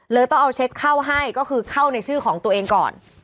ต้องเอาเช็คเข้าให้ก็คือเข้าในชื่อของตัวเองก่อน